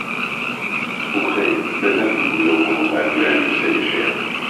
ئۆخەی، نەجاتم بوو لەو هەموو بارگرانی و سەرێشەیە.